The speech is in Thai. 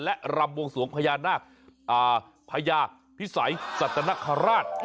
และรำวงสวงพญานาคพญาพิสัยสัตนคราช